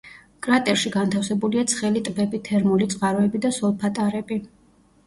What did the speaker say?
კრატერში განთავსებულია ცხელი ტბები, თერმული წყაროები და სოლფატარები.